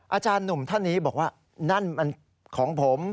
อาจารย์หนุ่มท่านนี้บอกว่านั่นมันของผม